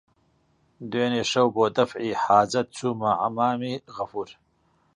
دوێنێ شەو بۆ دەفعی حاجەت چوومە حەممامی غەفوور